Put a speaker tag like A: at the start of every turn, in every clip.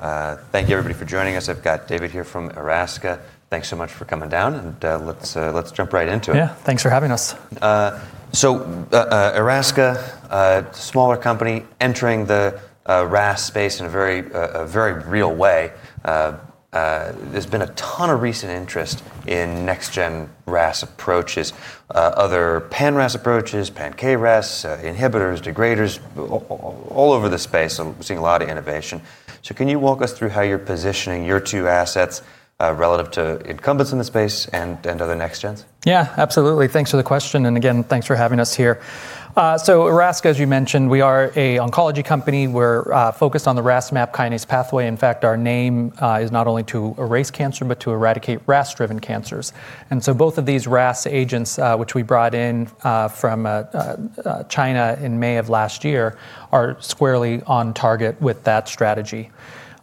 A: All right. Thank you, everybody, for joining us. I've got David here from Erasca. Thanks so much for coming down, and let's jump right into it.
B: Yeah, thanks for having us.
A: So Erasca, a smaller company entering the RAS space in a very real way. There's been a ton of recent interest in next-gen RAS approaches, other pan-RAS approaches, pan-KRAS, inhibitors, degraders, all over the space. We're seeing a lot of innovation. So can you walk us through how you're positioning your two assets relative to incumbents in the space and other next gens?
B: Yeah, absolutely. Thanks for the question, and again, thanks for having us here. So Erasca, as you mentioned, we are an oncology company. We're focused on the RAS-MAPK pathway. In fact, our name is not only to erase cancer, but to eradicate RAS-driven cancers. And so both of these RAS agents, which we brought in from China in May of last year, are squarely on target with that strategy.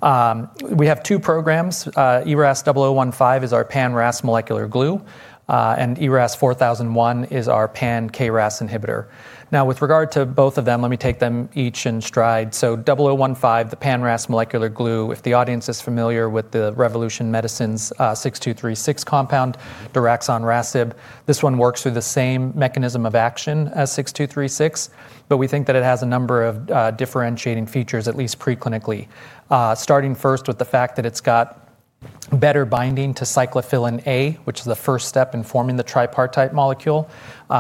B: We have two programs. ERAS-0015 is our pan-RAS molecular glue, and ERAS-4001 is our pan-KRAS inhibitor. Now, with regard to both of them, let me take them each in stride. So 0015, the pan-RAS molecular glue, if the audience is familiar with the Revolution Medicines' 6236 compound, the RAS(ON) inhibitor, this one works through the same mechanism of action as 6236, but we think that it has a number of differentiating features, at least preclinically. Starting first with the fact that it's got better binding to cyclophilin A, which is the first step in forming the tripartite molecule.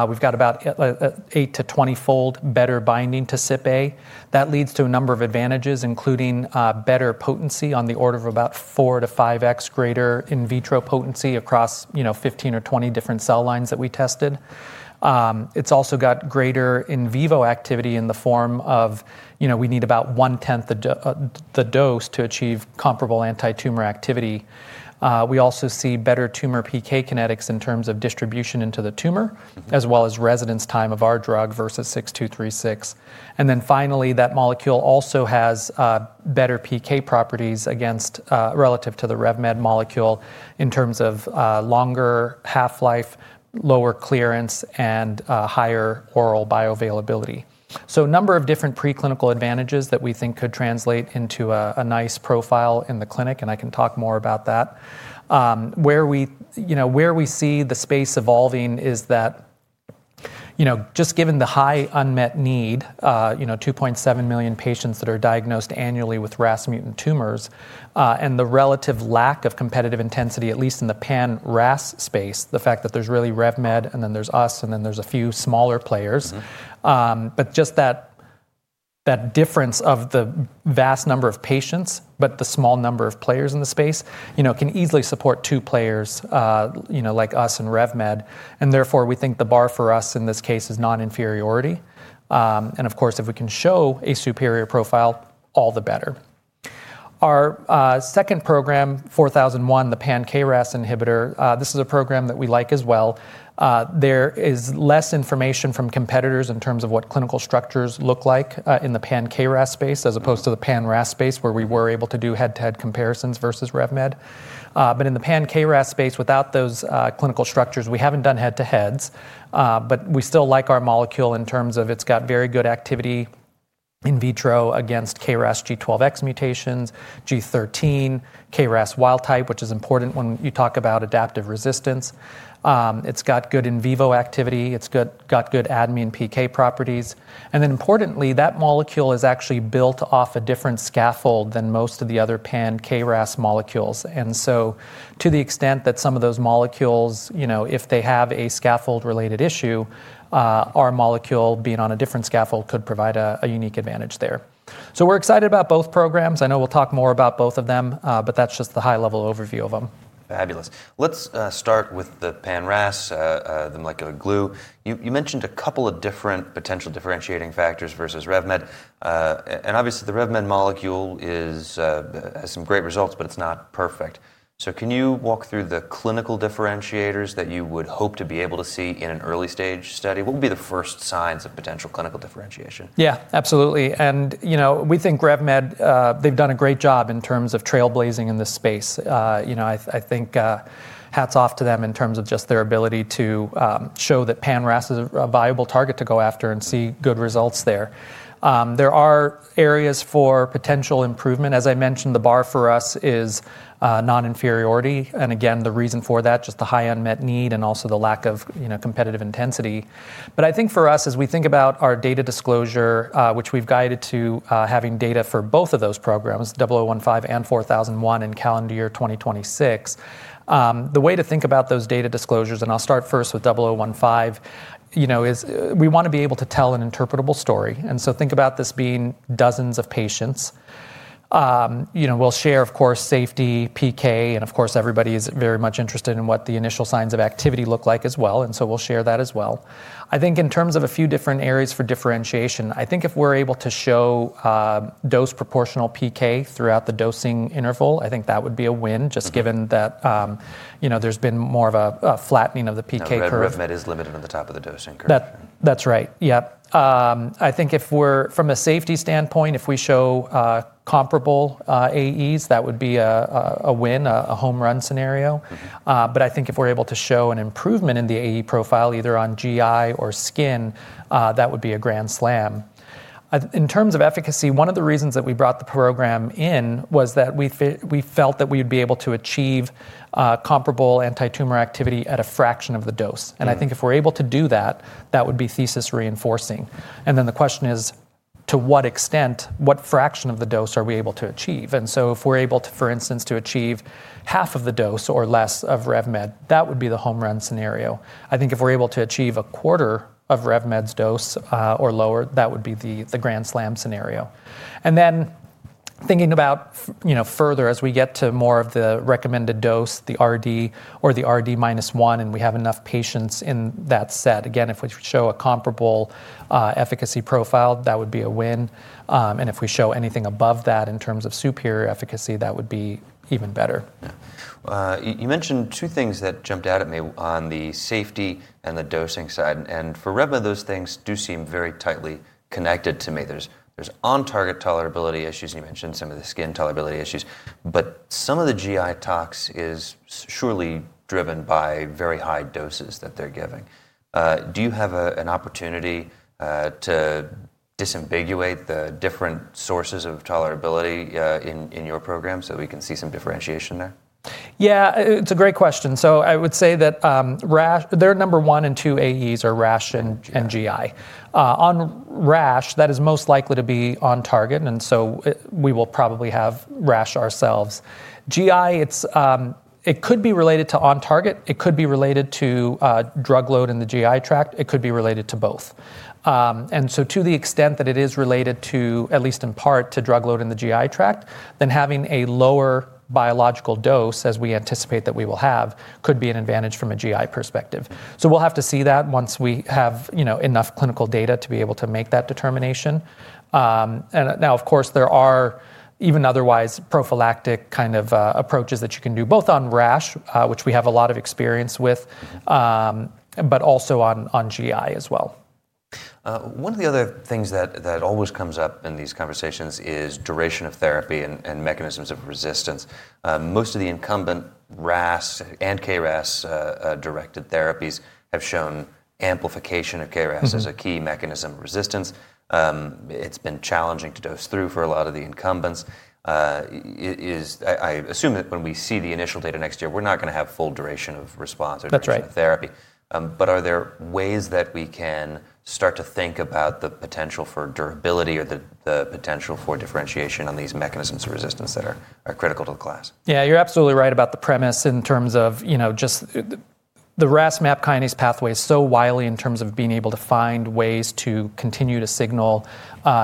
B: We've got about 8- to 20-fold better binding to CypA. That leads to a number of advantages, including better potency on the order of about 4- to 5x greater in vitro potency across 15 or 20 different cell lines that we tested. It's also got greater in vivo activity in the form of we need about one-tenth the dose to achieve comparable anti-tumor activity. We also see better tumor PK kinetics in terms of distribution into the tumor, as well as residence time of our drug versus 6236. And then finally, that molecule also has better PK properties relative to the RevMed molecule in terms of longer half-life, lower clearance, and higher oral bioavailability. So a number of different preclinical advantages that we think could translate into a nice profile in the clinic, and I can talk more about that. Where we see the space evolving is that just given the high unmet need, 2.7 million patients that are diagnosed annually with RAS mutant tumors, and the relative lack of competitive intensity, at least in the pan-RAS space, the fact that there's really RevMed, and then there's us, and then there's a few smaller players. But just that difference of the vast number of patients, but the small number of players in the space can easily support two players like us and RevMed. And therefore, we think the bar for us in this case is not inferiority. And of course, if we can show a superior profile, all the better. Our second program, ERAS-4001, the pan-KRAS inhibitor, this is a program that we like as well. There is less information from competitors in terms of what clinical structures look like in the pan-KRAS space, as opposed to the pan-RAS space, where we were able to do head-to-head comparisons versus RevMed, but in the pan-KRAS space, without those clinical structures, we haven't done head-to-heads, but we still like our molecule in terms of it's got very good activity in vitro against KRAS G12X mutations, G13, KRAS wild type, which is important when you talk about adaptive resistance. It's got good in vivo activity. It's got good admin PK properties, and then importantly, that molecule is actually built off a different scaffold than most of the other pan-KRAS molecules. And so to the extent that some of those molecules, if they have a scaffold-related issue, our molecule being on a different scaffold could provide a unique advantage there. So we're excited about both programs. I know we'll talk more about both of them, but that's just the high-level overview of them.
A: Fabulous. Let's start with the pan-RAS, the molecular glue. You mentioned a couple of different potential differentiating factors versus RevMed. And obviously, the RevMed molecule has some great results, but it's not perfect. So can you walk through the clinical differentiators that you would hope to be able to see in an early-stage study? What would be the first signs of potential clinical differentiation?
B: Yeah, absolutely, and we think RevMed, they've done a great job in terms of trailblazing in this space. I think hats off to them in terms of just their ability to show that pan-RAS is a viable target to go after and see good results there. There are areas for potential improvement. As I mentioned, the bar for us is not inferiority, and again, the reason for that, just the high unmet need and also the lack of competitive intensity, but I think for us, as we think about our data disclosure, which we've guided to having data for both of those programs, 0015 and 4001 in calendar year 2026, the way to think about those data disclosures, and I'll start first with 0015, is we want to be able to tell an interpretable story, and so think about this being dozens of patients. We'll share, of course, safety, PK, and of course, everybody is very much interested in what the initial signs of activity look like as well. And so we'll share that as well. I think in terms of a few different areas for differentiation, I think if we're able to show dose-proportional PK throughout the dosing interval, I think that would be a win, just given that there's been more of a flattening of the PK curve.
A: Probably RevMed is limited on the top of the dosing curve.
B: That's right. Yeah. I think if we're, from a safety standpoint, if we show comparable AEs, that would be a win, a home run scenario. But I think if we're able to show an improvement in the AE profile, either on GI or skin, that would be a grand slam. In terms of efficacy, one of the reasons that we brought the program in was that we felt that we would be able to achieve comparable anti-tumor activity at a fraction of the dose. And I think if we're able to do that, that would be thesis reinforcing. And then the question is, to what extent, what fraction of the dose are we able to achieve? And so if we're able to, for instance, achieve half of the dose or less of RevMed, that would be the home run scenario. I think if we're able to achieve a quarter of RevMed's dose or lower, that would be the grand slam scenario. And then thinking about further, as we get to more of the recommended dose, the RD or the RD minus one, and we have enough patients in that set, again, if we show a comparable efficacy profile, that would be a win. And if we show anything above that in terms of superior efficacy, that would be even better.
A: You mentioned two things that jumped out at me on the safety and the dosing side. And for RevMed, those things do seem very tightly connected to me. There's on-target tolerability issues, and you mentioned some of the skin tolerability issues. But some of the GI tox is surely driven by very high doses that they're giving. Do you have an opportunity to disambiguate the different sources of tolerability in your program so that we can see some differentiation there?
B: Yeah, it's a great question. So I would say that their number one and two AEs are rash and GI. On rash, that is most likely to be on target, and so we will probably have rash ourselves. GI, it could be related to on target. It could be related to drug load in the GI tract. It could be related to both. And so to the extent that it is related to, at least in part, to drug load in the GI tract, then having a lower biological dose, as we anticipate that we will have, could be an advantage from a GI perspective. So we'll have to see that once we have enough clinical data to be able to make that determination. And now, of course, there are even otherwise prophylactic kind of approaches that you can do both on RAS, which we have a lot of experience with, but also on GI as well.
A: One of the other things that always comes up in these conversations is duration of therapy and mechanisms of resistance. Most of the incumbent RAS and KRAS-directed therapies have shown amplification of KRAS as a key mechanism of resistance. It's been challenging to dose through for a lot of the incumbents. I assume that when we see the initial data next year, we're not going to have full duration of response or duration of therapy. But are there ways that we can start to think about the potential for durability or the potential for differentiation on these mechanisms of resistance that are critical to the class?
B: Yeah, you're absolutely right about the premise in terms of just the RAS-MAPK pathway is so wily in terms of being able to find ways to continue to signal,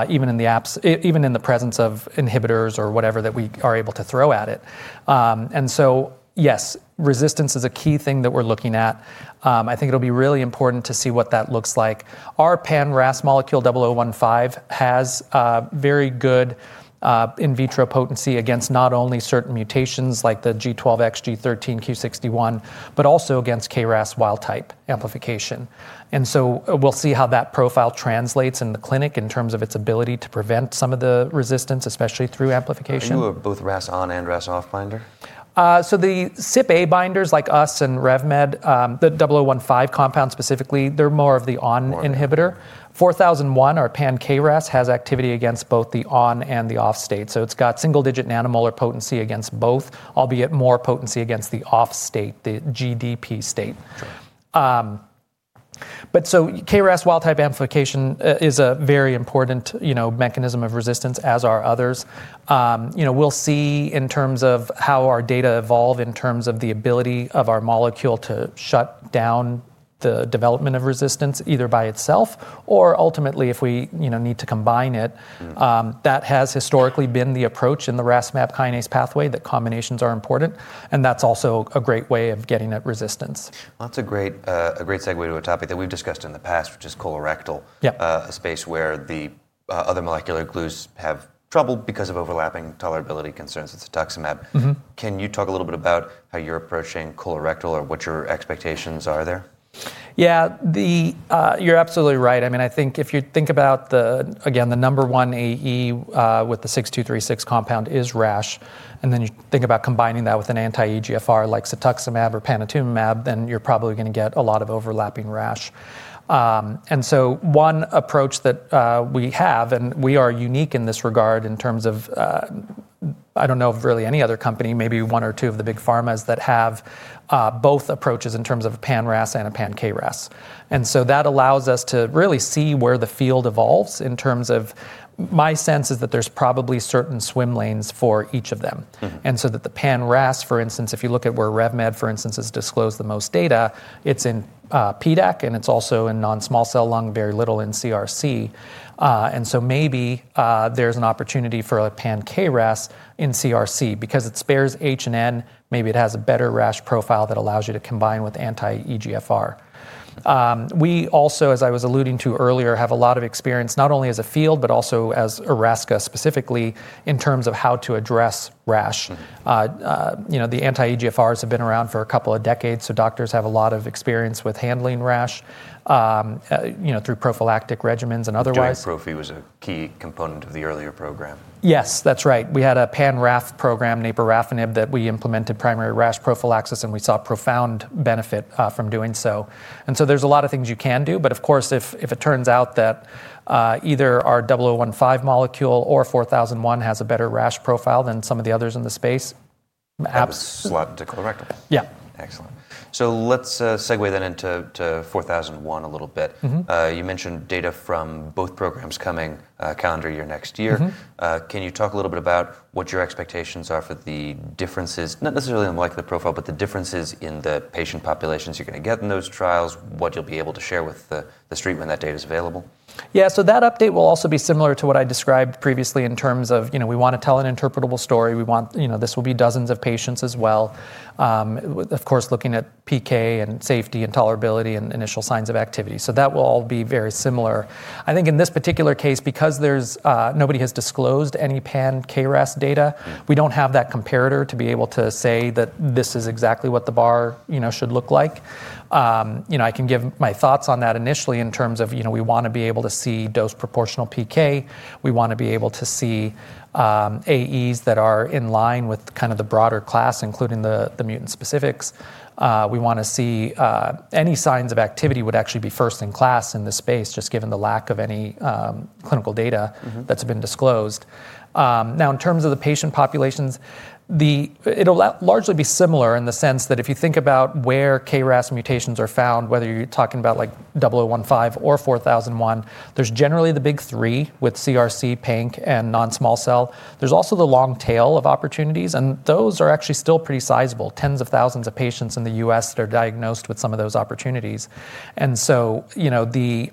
B: even in the presence of inhibitors or whatever that we are able to throw at it. And so yes, resistance is a key thing that we're looking at. I think it'll be really important to see what that looks like. Our pan-RAS molecule 0015 has very good in vitro potency against not only certain mutations like the G12X, G13, Q61, but also against KRAS wild type amplification. And so we'll see how that profile translates in the clinic in terms of its ability to prevent some of the resistance, especially through amplification.
A: And you have both RAS on and RAS off binder?
B: So the SHOC2 binders like us and RevMed, the 0015 compound specifically, they're more of the on inhibitor. 4001, our pan-KRAS, has activity against both the on and the off state. So it's got single-digit nanomolar potency against both, albeit more potency against the off state, the GDP state. But so KRAS wild type amplification is a very important mechanism of resistance, as are others. We'll see in terms of how our data evolve in terms of the ability of our molecule to shut down the development of resistance either by itself or ultimately if we need to combine it. That has historically been the approach in the RAS-MAPK pathway that combinations are important, and that's also a great way of getting at resistance.
A: That's a great segue to a topic that we've discussed in the past, which is colorectal, a space where the other molecular glues have trouble because of overlapping tolerability concerns. It's Cetuximab. Can you talk a little bit about how you're approaching colorectal or what your expectations are there?
B: Yeah, you're absolutely right. I mean, I think if you think about, again, the number one AE with the 6236 compound is RAS, and then you think about combining that with an anti-EGFR like Cetuximab or Panitumumab, then you're probably going to get a lot of overlapping RAS. And so one approach that we have, and we are unique in this regard in terms of, I don't know of really any other company, maybe one or two of the big pharmas that have both approaches in terms of pan-RAS and a pan-KRAS. And so that allows us to really see where the field evolves in terms of my sense is that there's probably certain swim lanes for each of them. And so that the pan-RAS, for instance, if you look at where RevMed, for instance, has disclosed the most data, it's in PDAC, and it's also in non-small cell lung, very little in CRC. And so maybe there's an opportunity for a pan-KRAS in CRC because it spares H and N. Maybe it has a better RAS profile that allows you to combine with anti-EGFR. We also, as I was alluding to earlier, have a lot of experience not only as a field, but also as Erasca specifically in terms of how to address RAS. The anti-EGFRs have been around for a couple of decades, so doctors have a lot of experience with handling RAS through prophylactic regimens and otherwise.
A: GERD profile was a key component of the earlier program.
B: Yes, that's right. We had a pan-RAF program, Naporafenib, that we implemented primary RAS prophylaxis, and we saw profound benefit from doing so, and so there's a lot of things you can do, but of course, if it turns out that either our 0015 molecule or 4001 has a better RAS profile than some of the others in the space.
A: Absolutely. Colorectal.
B: Yeah.
A: Excellent. So let's segue then into 4001 a little bit. You mentioned data from both programs coming calendar year next year. Can you talk a little bit about what your expectations are for the differences, not necessarily in the molecular profile, but the differences in the patient populations you're going to get in those trials, what you'll be able to share with the street when that data is available?
B: Yeah, so that update will also be similar to what I described previously in terms of we want to tell an interpretable story. We want this will be dozens of patients as well, of course, looking at PK and safety and tolerability and initial signs of activity. So that will all be very similar. I think in this particular case, because nobody has disclosed any pan-KRAS data, we don't have that comparator to be able to say that this is exactly what the bar should look like. I can give my thoughts on that initially in terms of we want to be able to see dose-proportional PK. We want to be able to see AEs that are in line with kind of the broader class, including the mutant specifics. We want to see any signs of activity would actually be first in class in this space, just given the lack of any clinical data that's been disclosed. Now, in terms of the patient populations, it'll largely be similar in the sense that if you think about where KRAS mutations are found, whether you're talking about 0015 or 4001, there's generally the big three with CRC, PDAC, and non-small cell. There's also the long tail of opportunities, and those are actually still pretty sizable, tens of thousands of patients in the U.S. that are diagnosed with some of those opportunities. And so the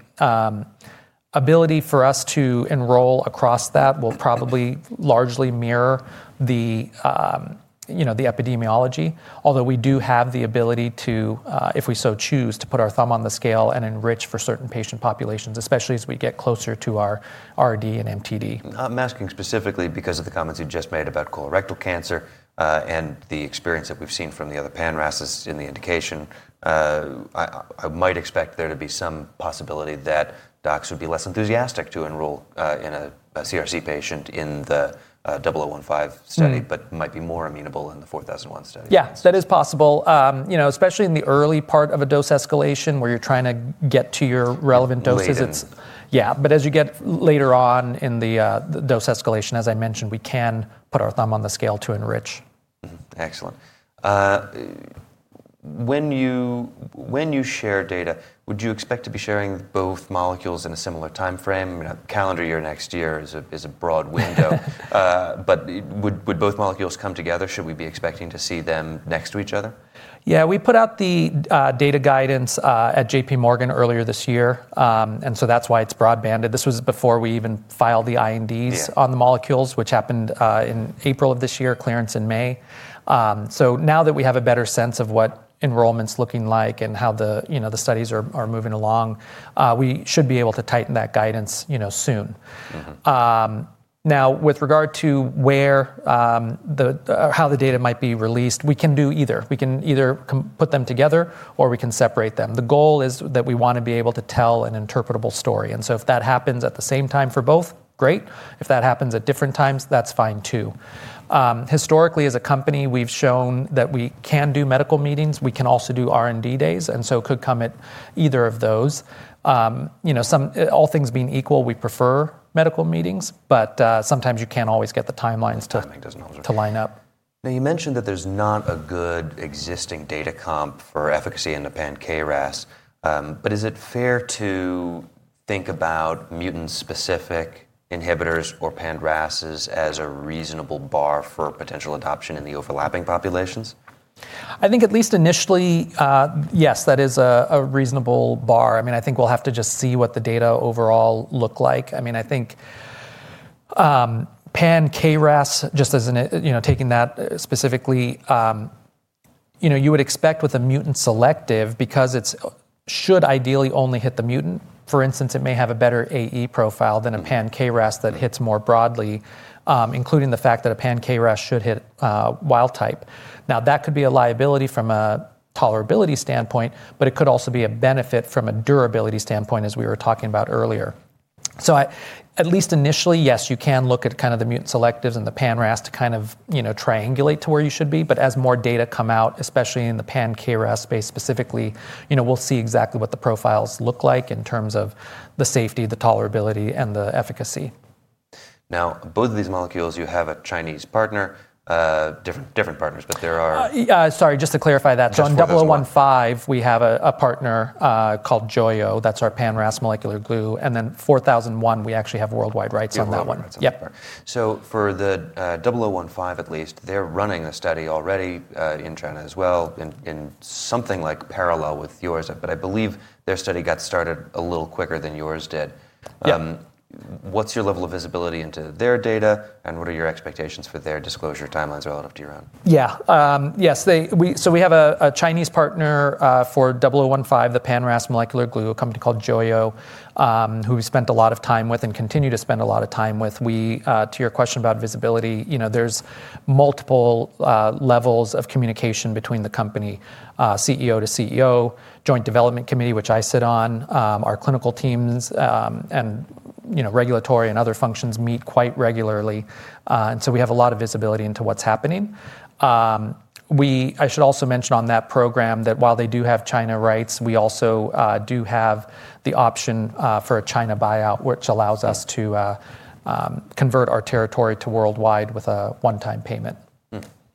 B: ability for us to enroll across that will probably largely mirror the epidemiology, although we do have the ability to, if we so choose, to put our thumb on the scale and enrich for certain patient populations, especially as we get closer to our RD and MTD.
A: I'm asking specifically because of the comments you just made about colorectal cancer and the experience that we've seen from the other pan-RASes in the indication. I might expect there to be some possibility that docs would be less enthusiastic to enroll a CRC patient in the 0015 study, but might be more amenable in the 4001 study.
B: Yeah, that is possible, especially in the early part of a dose escalation where you're trying to get to your relevant doses.
A: Relevant.
B: Yeah, but as you get later on in the dose escalation, as I mentioned, we can put our thumb on the scale to enrich.
A: Excellent. When you share data, would you expect to be sharing both molecules in a similar timeframe? Calendar year next year is a broad window, but would both molecules come together? Should we be expecting to see them next to each other?
B: Yeah, we put out the data guidance at J.P. Morgan earlier this year, and so that's why it's broad-banded. This was before we even filed the INDs on the molecules, which happened in April of this year, clearance in May. So now that we have a better sense of what enrollment's looking like and how the studies are moving along, we should be able to tighten that guidance soon. Now, with regard to how the data might be released, we can do either. We can either put them together or we can separate them. The goal is that we want to be able to tell an interpretable story, and so if that happens at the same time for both, great. If that happens at different times, that's fine too. Historically, as a company, we've shown that we can do medical meetings. We can also do R&D days, and so it could come at either of those. All things being equal, we prefer medical meetings, but sometimes you can't always get the timelines to line up.
A: Now, you mentioned that there's not a good existing data comp for efficacy in the pan-KRAS, but is it fair to think about mutant-specific inhibitors or pan-RASes as a reasonable bar for potential adoption in the overlapping populations?
B: I think at least initially, yes, that is a reasonable bar. I mean, I think we'll have to just see what the data overall look like. I mean, I think pan-KRAS, just taking that specifically, you would expect with a mutant selective because it should ideally only hit the mutant. For instance, it may have a better AE profile than a pan-KRAS that hits more broadly, including the fact that a pan-KRAS should hit wild type. Now, that could be a liability from a tolerability standpoint, but it could also be a benefit from a durability standpoint, as we were talking about earlier. So at least initially, yes, you can look at kind of the mutant selectives and the pan-RAS to kind of triangulate to where you should be. But as more data come out, especially in the pan-KRAS space specifically, we'll see exactly what the profiles look like in terms of the safety, the tolerability, and the efficacy.
A: Now, both of these molecules, you have a Chinese partner, different partners, but there are.
B: Sorry, just to clarify that.
A: That's fine.
B: So on 0015, we have a partner called Joyo. That's our pan-RAS molecular glue. And then 4001, we actually have worldwide rights on that one.
A: So for the 0015 at least, they're running a study already in China as well in something like parallel with yours, but I believe their study got started a little quicker than yours did. What's your level of visibility into their data, and what are your expectations for their disclosure timelines relative to your own?
B: Yeah, yes. So we have a Chinese partner for 0015, the pan-RAS molecular glue, a company called Joyo, who we've spent a lot of time with and continue to spend a lot of time with. To your question about visibility, there's multiple levels of communication between the company, CEO to CEO, joint development committee, which I sit on. Our clinical teams and regulatory and other functions meet quite regularly. And so we have a lot of visibility into what's happening. I should also mention on that program that while they do have China rights, we also do have the option for a China buyout, which allows us to convert our territory to worldwide with a one-time payment.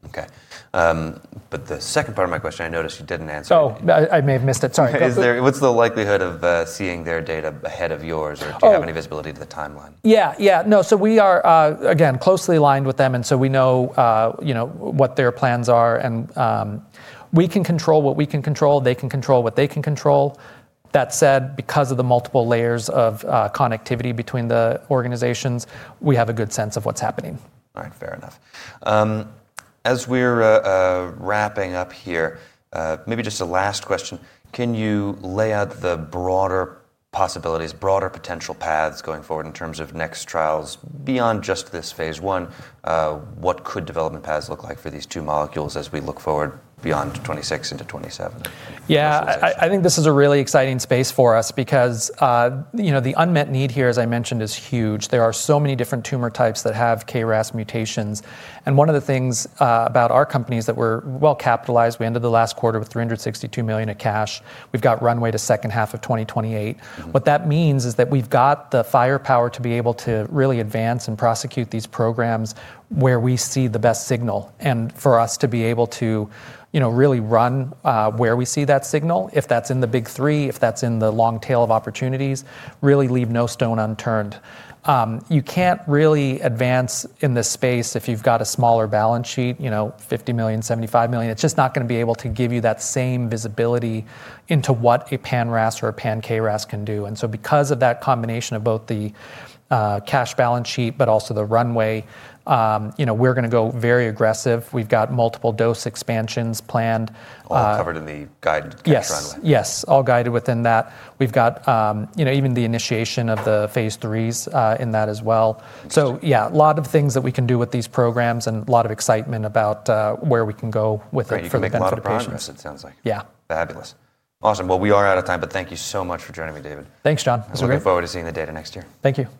A: Okay. But the second part of my question, I noticed you didn't answer.
B: Oh, I may have missed it. Sorry.
A: What's the likelihood of seeing their data ahead of yours, or do you have any visibility to the timeline?
B: Yeah, yeah. No, so we are, again, closely aligned with them, and so we know what their plans are. And we can control what we can control. They can control what they can control. That said, because of the multiple layers of connectivity between the organizations, we have a good sense of what's happening.
A: All right, fair enough. As we're wrapping up here, maybe just a last question. Can you lay out the broader possibilities, broader potential paths going forward in terms of next trials beyond just this phase one? What could development paths look like for these two molecules as we look forward beyond 2026 into 2027?
B: Yeah, I think this is a really exciting space for us because the unmet need here, as I mentioned, is huge. There are so many different tumor types that have KRAS mutations. And one of the things about our company is that we're well capitalized. We ended the last quarter with $362 million of cash. We've got runway to second half of 2028. What that means is that we've got the firepower to be able to really advance and prosecute these programs where we see the best signal. And for us to be able to really run where we see that signal, if that's in the big three, if that's in the long tail of opportunities, really leave no stone unturned. You can't really advance in this space if you've got a smaller balance sheet, $50 million, $75 million. It's just not going to be able to give you that same visibility into what a pan-RAS or a pan-KRAS can do. And so because of that combination of both the cash balance sheet, but also the runway, we're going to go very aggressive. We've got multiple dose expansions planned.
A: All covered in the guidance.
B: Yes, yes, all guided within that. We've got even the initiation of the phase threes in that as well. So yeah, a lot of things that we can do with these programs and a lot of excitement about where we can go with it for the next operations.
A: Great. You've got lots of progress, it sounds like.
B: Yeah.
A: Fabulous. Awesome. Well, we are out of time, but thank you so much for joining me, David.
B: Thanks, John.
A: We look forward to seeing the data next year.
B: Thank you.